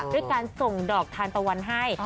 ด้วยการส่งดอกทานตะวันให้